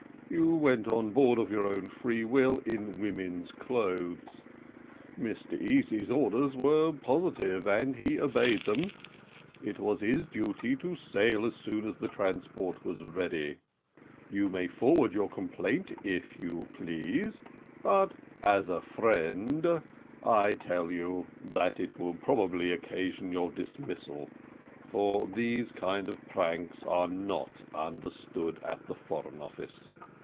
You went on board of your own free will in woman's clothes. Mr Easy's orders were positive, and he obeyed them. It was his duty to sail as soon as the transport was ready. You may forward your complaint if you please, but, as a friend, I tell you that it will probably occasion your dismissal, for these kind of pranks are not understood at the Foreign Office.